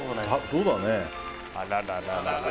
そうだね